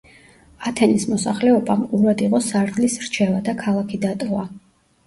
ათენის მოსახლეობამ ყურად იღო სარდლის რჩევა და ქალაქი დატოვა.